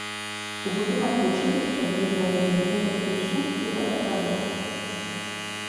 У будынак вучылішча былі праведзены электрычнасць і водаправод.